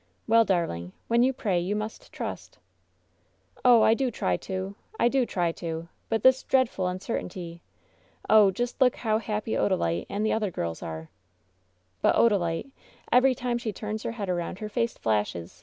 "Well, darling, when you pray, you must trust. "Oh, I do try to! I do try to! But this dreadful un certainty! Oh! just look how happy Odalite and the other girls are! But Odalite — every time she turns her head around her face flashes